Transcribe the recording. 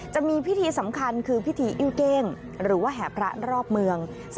จะมีพิธีสำคัญคือพิธีอิ้วเก้งหรือว่าแห่พระรอบเมือง